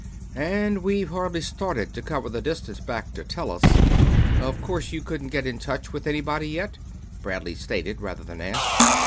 "And we've hardly started to cover the distance back to Tellus. Of course you couldn't get in touch with anybody yet?" Bradley stated, rather than asked.